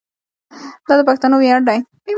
دا د پښتنو ویاړ دی.